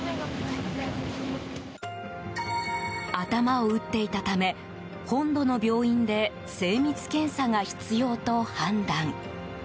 頭を打っていたため本土の病院で精密検査が必要と判断。